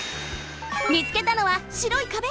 みつけたのはしろいかべ。